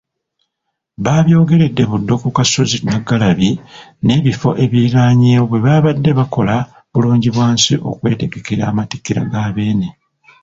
Babyogeredde Buddo ku kasozi Naggalabi n'ebifo ebiriraanyeewo bwe babadde bakola Bulungibwansi okwetegekera amatikkira ga Beene.